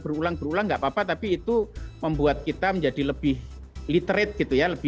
berulang berulang nggak apa apa tapi itu membuat kita menjadi lebih literate gitu ya lebih